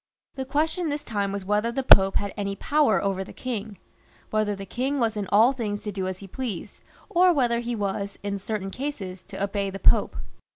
The question this time was whether the Pope had any power over the king ; whether the king was in all things to do as he pleased, or whether he was, in certain cases, to obey the Pope.